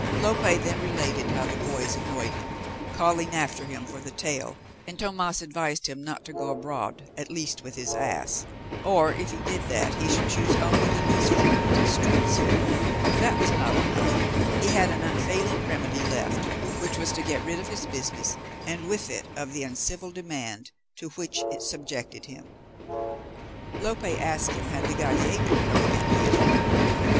Lope then related how the boys annoyed him, calling after him for the tail, and Tomas advised him not to go abroad, at least with his ass, or if he did that he should choose only the least frequented streets. If that was not enough, he had an unfailing remedy left, which was to get rid of his business and with it of the uncivil demand to which it subjected him. Lope asked him had the Gallegan come again to his room.